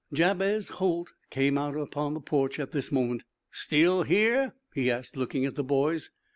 Jabez Holt came out upon the porch at this moment. "Still here?" he asked, looking at the boys.